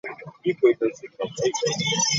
Waliwo katemba gw'otunuulira nga si katemba.